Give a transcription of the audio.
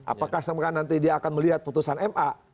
apakah nanti dia akan melihat putusan ma